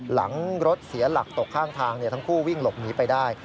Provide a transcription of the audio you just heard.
หลังรถเสียหลักตกข้างทางทั้งคู่วิ่งหลบหนีไปได้